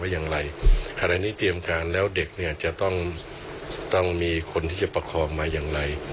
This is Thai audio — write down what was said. อย่างไรขณะนี้เตรียมการแล้วเด็กเนี่ยจะต้องต้องมีคนที่จะประคองมาอย่างไร